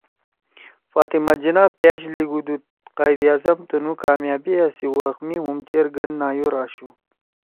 فاطمہ جناح پأش لِیگودُود، ”قائداعظم تنُو کامیابیاں سی وخ می ہُم چیرگن نایور آشُو